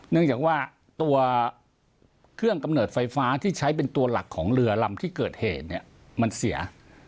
เนื่องจากว่าตัวเครื่องกำเนิดไฟฟ้าที่ใช้เป็นตัวหลักของเรือลำที่เกิดเหตุเนี่ยมันเสีย